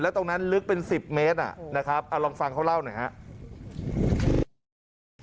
แล้วตรงนั้นลึกเป็น๑๐เมตรลองฟังเขาเล่าหน่อยครับ